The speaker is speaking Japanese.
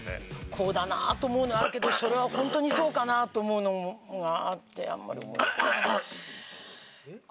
こうだなと思うのはあるけどそれはホントにそうかなと思うのがあってあんまり。